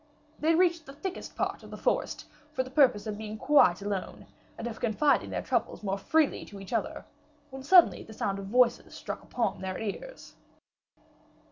They reached the thickest part of the forest, for the purpose of being quite alone, and of confiding their troubles more freely to each other, when suddenly the sound of voices struck upon their ears."